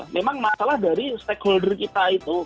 memang masalah dari stakeholder kita itu